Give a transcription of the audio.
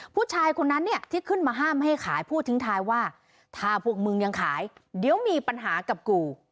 ผู้ชายคนนั้นเนี่ยที่ขึ้นมาห้ามให้ขายพูดทิ้งท้ายว่าถ้าพวกมึงยังขายเดี๋ยวมีปัญหากับกู